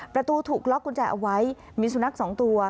ประตูถูกล็อกกุญแจเอาไว้มีสุนัขสองตัว